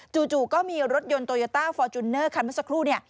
จู่ก็มีรถยนต์โตโยต้าฟอร์จูเนอร์คันเมื่อสักครู่